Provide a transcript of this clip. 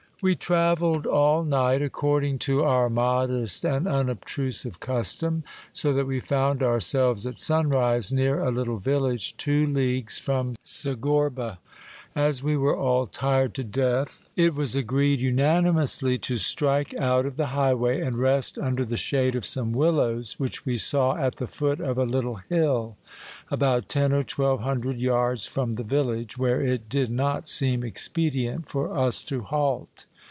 We travelled all night, according to our modest and unobtrusive custom ; so that we found ourselves at sunrise near a little village two leagues from Segorba. As we were all tired to death, it was agreed unanimously to strike out of the highway, and rest under the shade of some willows, which we saw at the foot of a little hill, about ten or twelve hundred yards from the village, where it did not seem expedient for us to halt.